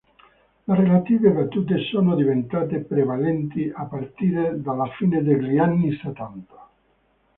Le relative battute sono diventate prevalenti a partire dalla fine degli anni settanta.